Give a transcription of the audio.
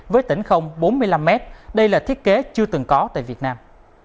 với tỉnh không bốn mươi năm m đây là thiết kế chưa từng có tại việt nam